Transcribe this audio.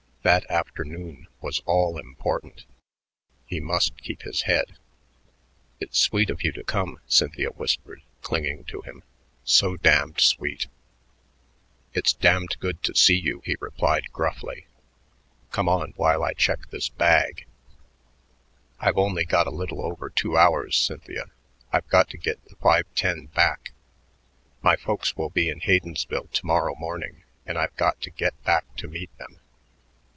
That afternoon was all important; he must keep his head. "It's sweet of you to come," Cynthia whispered, clinging to him, "so damned sweet." "It's damned good to see you," he replied gruffly. "Come on while I check this bag. I've only got a little over two hours, Cynthia; I've got to get the five ten back. My folks will be in Haydensville to morrow morning, and I've got to get back to meet them."